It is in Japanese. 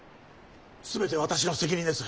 全て私の責任です。